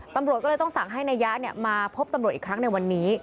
ตำรวจก็เลยต้องสั่งให้นายยะมาพบตำรวจอีกครั้งในวันนี้